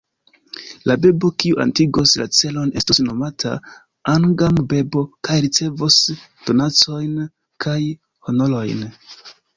La bebo, kiu atingos la celon estos nomata "Angam-bebo" kaj ricevos donacojn kaj honorojn.